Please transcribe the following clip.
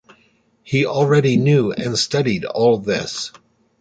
He already knew and studied all this.